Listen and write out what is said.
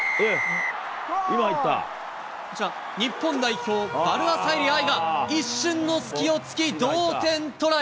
こちら、日本代表、ヴァルアサエリ愛が一瞬の隙をつき、同点トライ。